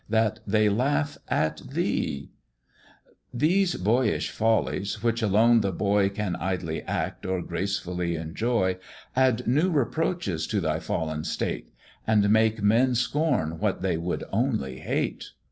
that they laugh at thee "These boyish follies, which alone the boy Can idly act, or gracefully enjoy, Add new reproaches to thy fallen state, And make men scorn what they would only hate.